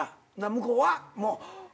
向こうはもう下か？